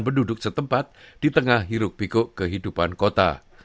penduduk setempat di tengah hiruk pikuk kehidupan kota